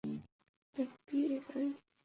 FBI, fridge!